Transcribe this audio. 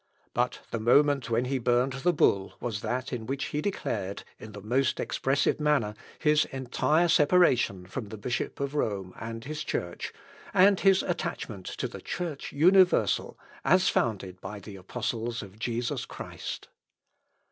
But the moment when he burned the bull was that in which he declared, in the most expressive manner, his entire separation from the bishop of Rome and his church, and his attachment to the Church universal, as founded by the apostles of Jesus Christ.